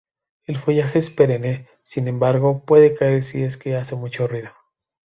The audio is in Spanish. El follaje es perenne, sin embargo puede caer si es que hace mucho frío.